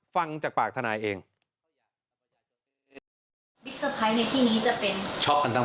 ฟังจากปากทนายเอง